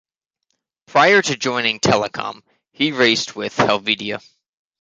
Prior to joining Telekom, he raced with Helvetia.